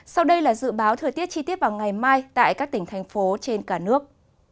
sau đây là dự báo thời tiết chi tiết vào ngày mai tại các tỉnh thành phố trên cả nước